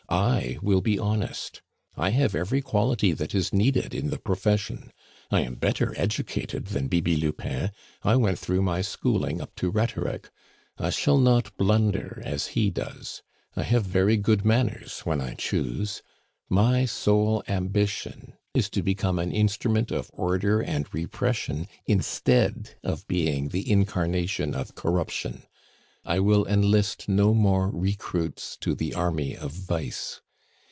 I will be honest. I have every quality that is needed in the profession. I am better educated than Bibi Lupin; I went through my schooling up to rhetoric; I shall not blunder as he does; I have very good manners when I choose. My sole ambition is to become an instrument of order and repression instead of being the incarnation of corruption. I will enlist no more recruits to the army of vice.